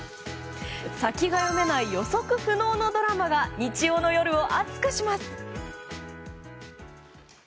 先が読めない予測不能のドラマが日曜の夜を熱くします。